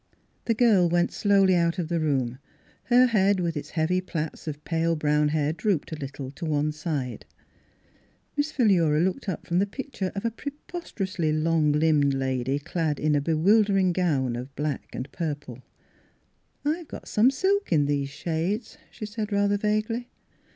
The girl went slowly out of the room, her head with its heavy plaits of pale brown hair drooped a little to one side. Miss Philura looked up from the pic ture of a preposterously long limbed lady clad in a bewildering gown of black and purple. " I've got some silk in these shades," she said rather vaguely.